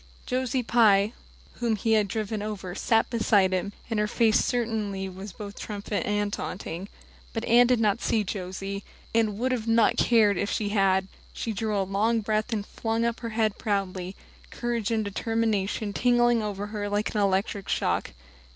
Josie Pye, whom he had driven over, sat beside him, and her face certainly was both triumphant and taunting. But Anne did not see Josie, and would not have cared if she had. She drew a long breath and flung her head up proudly, courage and determination tingling over her like an electric shock.